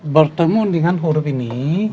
bertemu dengan huruf ini